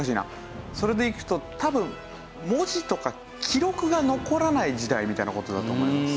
それでいくと多分文字とか記録が残らない時代みたいな事だと思います。